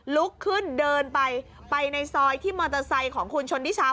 ลุกขึ้นเดินไปไปในซอยที่มอเตอร์ไซค์ของคุณชนทิชา